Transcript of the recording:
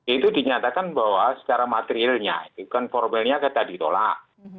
itu dinyatakan bahwa secara materialnya itu kan formalnya kata ditolak